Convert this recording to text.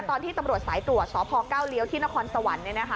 ตอนที่ตำรวจสายตรวจสพเก้าเลี้ยวที่นครสวรรค์